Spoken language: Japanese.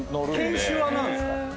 犬種は何ですか？